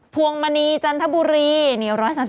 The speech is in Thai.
วงมณีจันทบุรี๑๓๓